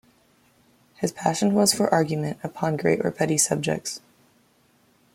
His passion was for argument, upon great or petty subjects.